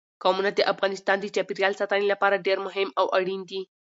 قومونه د افغانستان د چاپیریال ساتنې لپاره ډېر مهم او اړین دي.